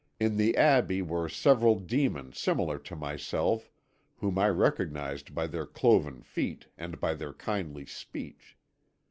In the Abbey were several demons similar to myself whom I recognised by their cloven feet and by their kindly speech.